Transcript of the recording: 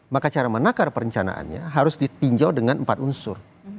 maka cara menakar perencanaannya harus ditinjau dengan empat unsur